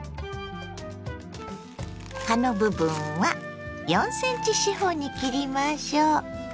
葉の部分は４ｃｍ四方に切りましょ。